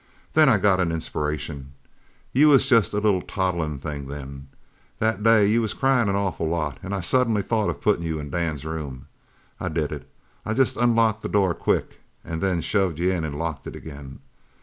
Then I got an inspiration. You was jest a little toddlin' thing then. That day you was cryin' an awful lot an' I suddenly thought of puttin' you in Dan's room. I did it. I jest unlocked the door quick and then shoved you in an' locked it again.